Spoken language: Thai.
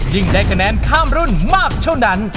ได้คะแนนข้ามรุ่นมากเท่านั้น